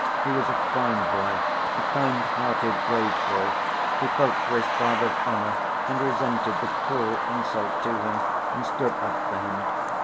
He was a fine boy, a kind‐hearted, brave boy, he felt for his father's honor and resented the cruel insult to him and stood up for him.